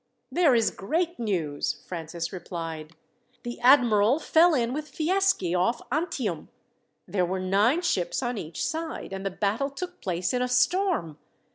"There is great news," Francis replied. "The admiral fell in with Fieschi off Antium. There were nine ships on each side, and the battle took place in a storm.